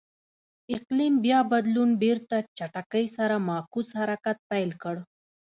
اقلیم بیا بدلون بېرته چټکۍ سره معکوس حرکت پیل کړ.